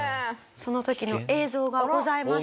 その時の映像がございます。